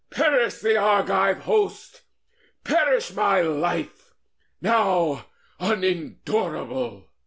Perish the Argive host, perish my life, Now unendurable!